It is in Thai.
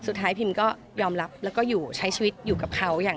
สุดท้ายพิมก็ยอมรับแล้วก็อยู่ใช้ชีวิตอยู่กับเขา